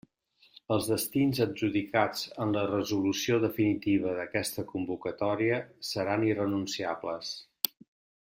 Els destins adjudicats en la resolució definitiva d'aquesta convocatòria seran irrenunciables.